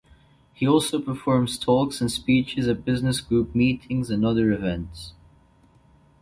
He also performs talks and speeches at business group meetings and other events.